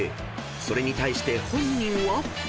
それに対して本人は］